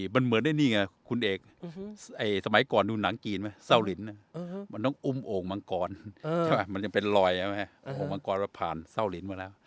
มันเหมือนนี่คุณเอกสมัยก่อนดูหนังจีนเศร้าหลินมันต้องอุ้มโอ่งมังกรมันเป็นลอยอุ้มมังกรว่าผ่านเศร้าหลินมาแล้ว